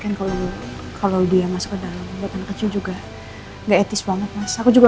kan kalau kalau dia masuk ke dalam buat anak kecil juga enggak etis banget mas aku juga